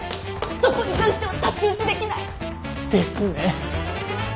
そこに関しては太刀打ちできない。ですね。